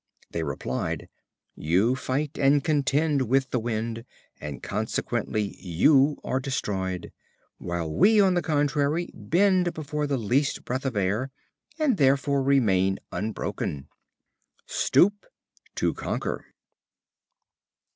They replied: "You fight and contend with the wind, and consequently you are destroyed; while we, on the contrary, bend before the least breath of air, and therefore remain unbroken." Stoop to conquer.